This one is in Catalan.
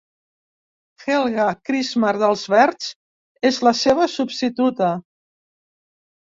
Helga Krismer, dels Verds, és la seva substituta.